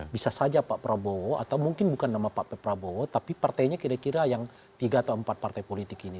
bisa saja pak prabowo atau mungkin bukan nama pak prabowo tapi partainya kira kira yang tiga atau empat partai politik ini